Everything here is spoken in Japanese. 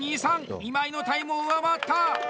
今井のタイムを上回った！